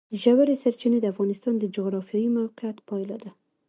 ژورې سرچینې د افغانستان د جغرافیایي موقیعت پایله ده.